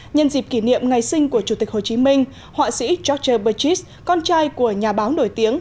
nhân dịp kỷ niệm ngày sinh của chủ tịch hồ chí minh họa sĩ george bơ chít con trai của nhà báo nổi tiếng